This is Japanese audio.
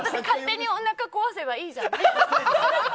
勝手におなか壊せばいいじゃん。